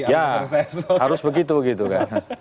ya harus begitu gitu kan